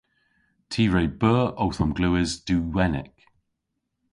Ty re beu owth omglewas duwenik.